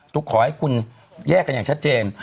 ขอให้คุณแยกกันอย่างชัดเจน